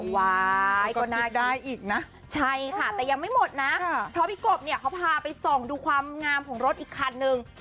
วายก็น่าได้อีกนะใช่ค่ะแต่ยังไม่หมดนะเพราะพี่กบเนี่ยเขาพาไปส่องดูความงามของรถอีกคันนึง